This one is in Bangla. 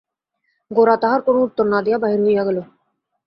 গোরা তাহার কোনো উত্তর না দিয়া বাহির হইয়া গেল।